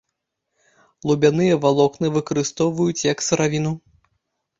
Лубяныя валокны выкарыстоўваюць як сыравіну.